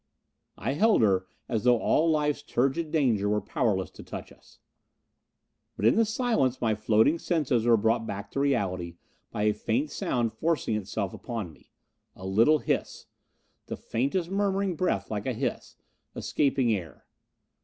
I held her as though all life's turgid danger were powerless to touch us. But in the silence my floating senses were brought back to reality by a faint sound forcing itself upon me. A little hiss. The faintest murmuring breath like a hiss. Escaping air!